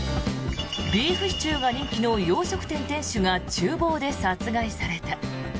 ビーフシチューが人気の洋食店店主が厨房で殺害された。